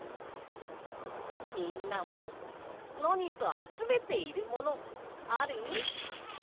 みんなもなにかあつめているものある？